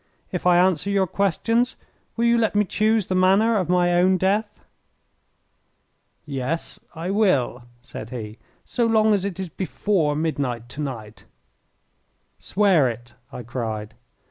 If I answer your questions, will you let me choose the manner of my own death?" "Yes, I will," said he, "so long as it is before midnight to night." "Swear it!" I cried.